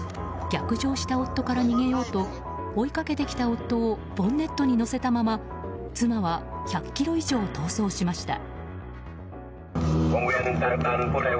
逆上した夫から逃げようと追いかけてきた夫をボンネットに乗せたまま妻は１００ｋｍ以上逃走しました。